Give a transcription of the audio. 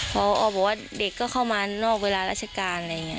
พอบอกว่าเด็กก็เข้ามานอกเวลาราชการอะไรอย่างนี้